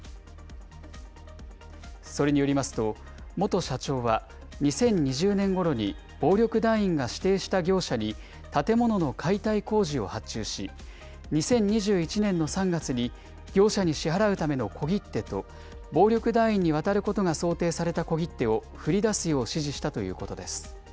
それによりますと元社長は、２０２０年ごろに暴力団員が指定した業者に建物の解体工事を発注し、２０２１年の３月に、業者に支払うための小切手と、暴力団員に渡ることが想定された小切手を振り出すよう指示したということです。